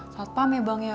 satpam ya bang ya